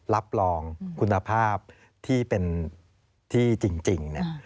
รับรองคุณภาพที่เป็นที่จริง